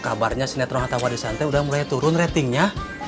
eh kabarnya sinetron arta warisan t udah mulai turun ratingnya